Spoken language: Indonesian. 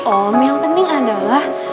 om yang penting adalah